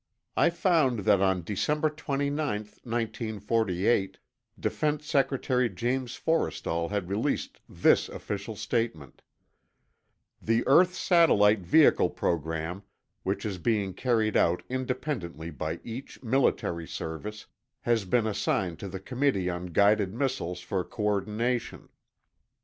I found that on December 29, 1948, Defense Secretary James Forrestal had released this official statement: "The Earth Satellite Vehicle Program, which is being carried out independently by each military service, has been assigned to the Committee on Guided Missiles for co ordination.